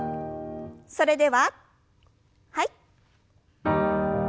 それでははい。